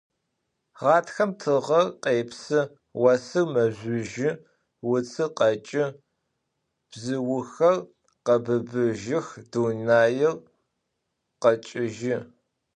Ğatxem tığer khêpsı, vosır mezjüjı, vutsır kheç'ı, bzıuxer khebıbıjıx, dunair kheç'ejı.